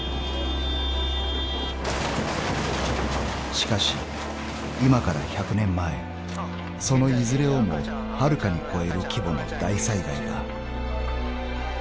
［しかし今から１００年前そのいずれをもはるかに超える規模の大災害が］